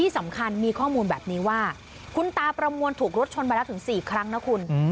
สำคัญมีข้อมูลแบบนี้ว่าคุณตาประมวลถูกรถชนมาแล้วถึง๔ครั้งนะคุณ